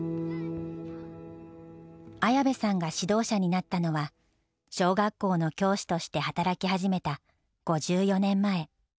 綾部さんが指導者になったのは小学校の教師として働き始めた５４年前。